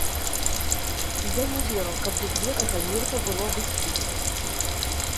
Я не веру, каб без гэтага нельга было абысціся.